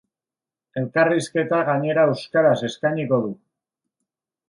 Elkarrizketa gainera euskaraz eskainiko du!